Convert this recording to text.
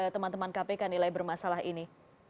teman teman kpk nilai bermasalah ini